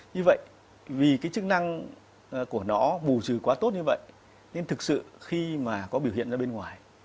như vậy vì cái chức năng của nó bù trừ quá tốt như vậy nên thực sự khi mà có biểu hiện ra bên ngoài